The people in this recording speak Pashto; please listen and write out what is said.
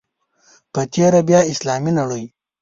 په تېره بیا اسلامي نړۍ.